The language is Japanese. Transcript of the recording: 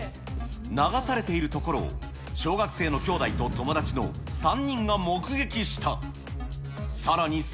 流されているところを、小学生の姉弟と友達の３人が目撃した。